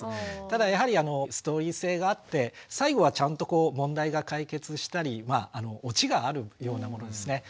ただやはりストーリー性があって最後はちゃんと問題が解決したりオチがあるようなものですね。